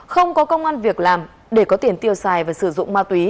không có công an việc làm để có tiền tiêu xài và sử dụng ma túy